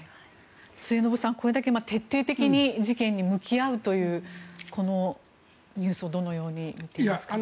末延さん、これだけ徹底的に事件に向き合うというこのニュースをどのように見ていますか？